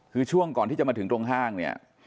คือช่วงก่อนที่จะมาถึงตรงห้างเนี่ย